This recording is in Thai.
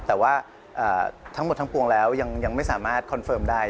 แต่ว่าทั้งหมดทั้งปวงแล้วยังไม่สามารถคอนเฟิร์มได้